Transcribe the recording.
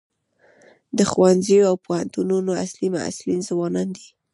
د ښوونځیو او پوهنتونونو اصلي محصلین ځوانان دي.